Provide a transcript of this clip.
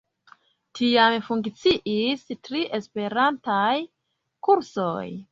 Tiam funkciis tri esperantaj kursoj.